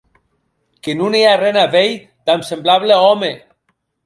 Que non è arren a veir damb semblable òme!